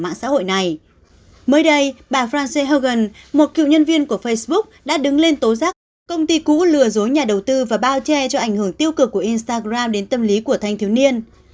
mới đây bà france horgan một cựu nhân viên của facebook đã đứng lên tố giác công ty cũ lừa dối nhà đầu tư và bao che cho ảnh hưởng tiêu cực của instagram đến tâm lý của thanh thiếu niên